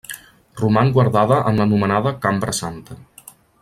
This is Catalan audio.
Roman guardada en l'anomenada Cambra Santa.